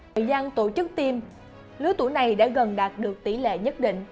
thời gian tổ chức tiêm lứa tuổi này đã gần đạt được tỷ lệ nhất định